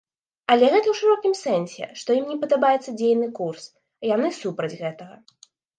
Але гэта ў шырокім сэнсе, што ім не падабаецца дзейны курс, яны супраць гэтага.